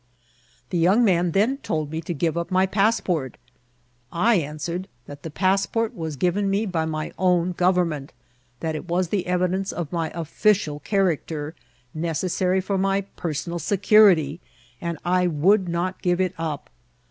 The young man then told me to give up my passport* I answered that the passport was given me by my own government; that it was the evidence of my official character, necessary for my personal security, and I would not give it up.